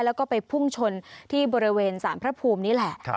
แล้วก็ไปพุ่งชนที่บริเวณสารพระภูมินี่แหละ